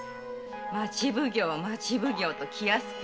町奉行町奉行と気安く